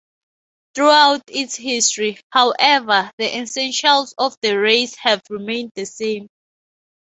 Throughout its history, however, the essentials of the race have remained the same.